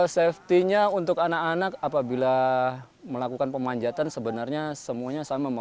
safety nya untuk anak anak apabila melakukan pemanjatan sebenarnya semuanya sama